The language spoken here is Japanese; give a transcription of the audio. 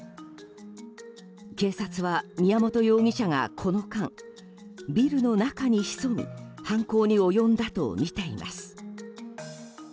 警察は宮本容疑者がこの間、ビルの中に潜み犯行に及んだとみています。